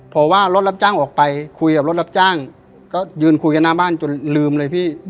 พอว่ารถรับจ้างออกไปคุยกับรถรับจ้างก็ยืนคุยกันหน้าบ้านจนลืมเลยพี่